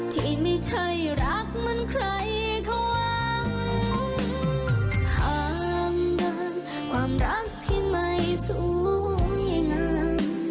ที่ไม่ใช่รักเหมือนใครเขาว่างห้ามดันความรักที่ไม่สูงยังงาม